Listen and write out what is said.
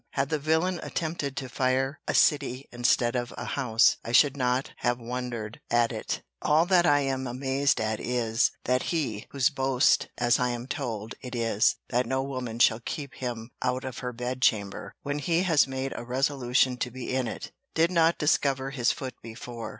Had the villain attempted to fire a city instead of a house, I should not have wondered at it. All that I am amazed at is, that he (whose boast, as I am told, it is, that no woman shall keep him out of her bed chamber, when he has made a resolution to be in it) did not discover his foot before.